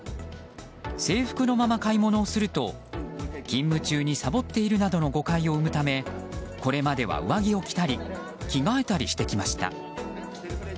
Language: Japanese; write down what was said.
制服のまま買い物をすると勤務中にサボっているなどの誤解を生むためこれまでは上着を着たり着替えたりしてきました。